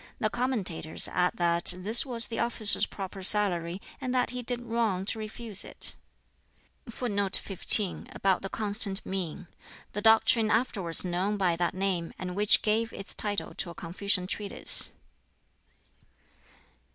The commentators add that this was the officer's proper salary, and that he did wrong to refuse it.] [Footnote 15: The doctrine afterwards known by that name, and which gave its title to a Confucian treatise.